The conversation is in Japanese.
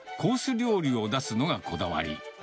料理を出すのがこだわり。